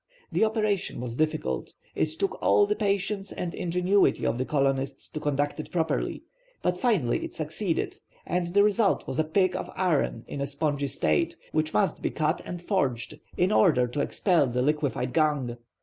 The operation was difficult. It took all the patience and ingenuity of the colonists to conduct it properly; but finally it succeeded, and the result was a pig of iron in a spongy state, which must be cut and forged in order to expel the liquified gangue.